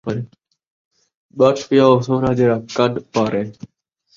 بٹھ پیا او سونا جیڑھا کن پاڑے